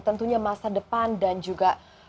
tentunya masa depan dan juga